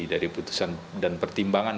dari putusan dan pertimbangan